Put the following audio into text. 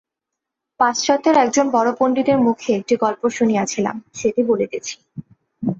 পাশ্চাত্যের একজন বড় পণ্ডিতের মুখে একটি গল্প শুনিয়াছিলাম, সেটি বলিতেছি।